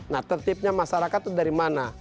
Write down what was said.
nah tertibnya masyarakat itu dari mana